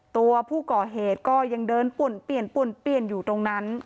ตัวผู้ก่อเหตุก็ยังเดินปุ่นเปลี่ยนอยู่ตรงนั้น